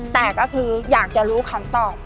แต่ก็คืออยากจะรู้คำตอบ